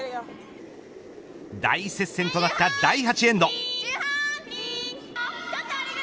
大接戦となった第８エンド。